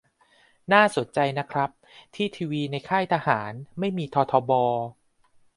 น่าสนใจนะครับที่ทีวีในค่ายทหารไม่มีททบ